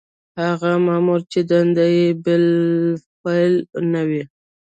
هغه مامور چې دنده یې بالفعل نه وي.